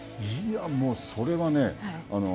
いや、もうそれはね